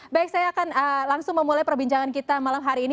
baik saya akan langsung memulai perbincangan kita malam hari ini